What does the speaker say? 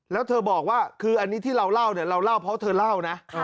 แล้วเธอบอกว่าคืออันนี้ที่เราเล่าเนี่ยเราเล่าเพราะเธอเล่านะ